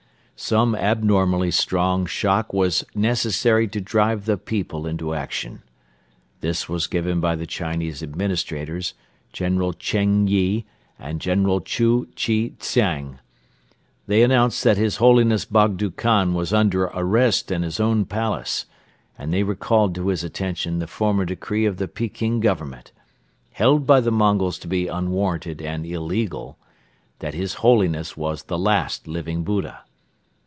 Some abnormally strong shock was necessary to drive the people into action. This was given by the Chinese administrators, General Cheng Yi and General Chu Chi hsiang. They announced that His Holiness Bogdo Khan was under arrest in his own palace, and they recalled to his attention the former decree of the Peking Government held by the Mongols to be unwarranted and illegal that His Holiness was the last Living Buddha.